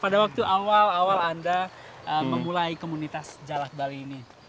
pada waktu awal awal anda memulai komunitas jalakbali ini